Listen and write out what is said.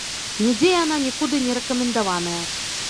Нідзе яна нікуды не рэкамендаваная.